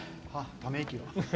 ため息が。